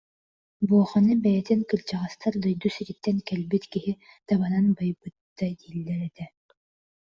Буоханы бэйэтин кырдьаҕастар дойду сириттэн кэлбит киһи табанан байбыта дииллэр этэ